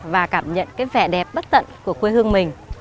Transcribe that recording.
và cảm nhận cái vẻ đẹp bất tận của quê hương mình